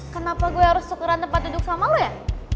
kenapa gue harus syukuran tempat duduk sama lo ya